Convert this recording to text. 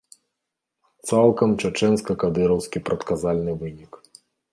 Цалкам чачэнска-кадыраўскі прадказальны вынік.